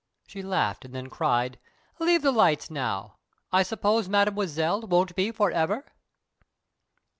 She laughed, and then cried, "Leave the lights now! I suppose Mademoiselle won't be forever?"